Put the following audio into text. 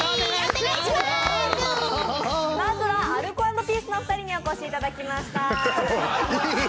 まずはアルコ＆ピースの皆さんにお越しいただきました。